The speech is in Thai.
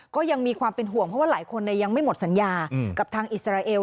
ก็ยังมีความเป็นห่วงเพราะว่าหลายคนยังไม่หมดสัญญากับทางอิสราเอล